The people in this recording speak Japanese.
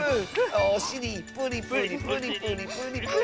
おしりプリプリプリプリプリプリ。